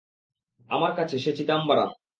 আমার কাছে, সে চিদাম্বারাম।